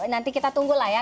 nanti kita tunggulah ya